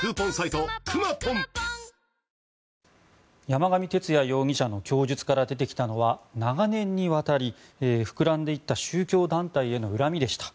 山上徹也容疑者の供述から出てきたのは長年にわたり膨らんでいった宗教団体への恨みでした。